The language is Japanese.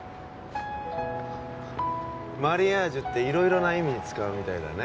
マリアージュって色々な意味に使うみたいだね